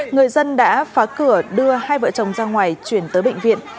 người dân đã phá cửa đưa hai vợ chồng ra ngoài chuyển tới bệnh viện